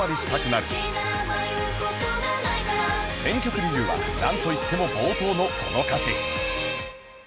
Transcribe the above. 選曲理由はなんといっても冒頭のこの歌詞